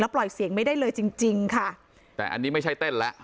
ปล่อยเสียงไม่ได้เลยจริงจริงค่ะแต่อันนี้ไม่ใช่เต้นแล้ว